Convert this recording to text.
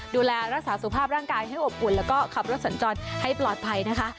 ดูแลรักษาสุขภาพร่างกายให้อบอุ่นแล้วก็ขับรถสัญจรให้ปลอดภัยนะคะ